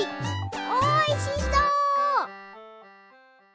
おいしそう。